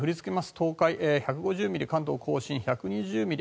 東海１５０ミリ関東・甲信１２０ミリ。